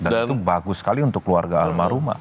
dan itu bagus sekali untuk keluarga almarhumah